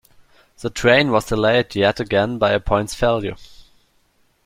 The train was delayed yet again by a points failure